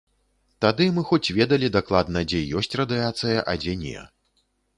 Тады мы хоць ведалі дакладна, дзе ёсць радыяцыя, а дзе не.